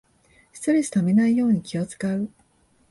ストレスためないように気をつかう